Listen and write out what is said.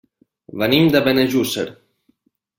Venim de Benejússer.